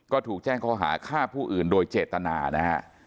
ก็ถูกแจ้งข้อหาฆ่าผู้อื่นโดยเจตนานะฮะ